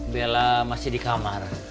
bella masih di kamar